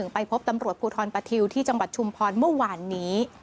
ไปพบตำรวจภูทรปะทิวที่จังหวัดชุมพรเมื่อวานนี้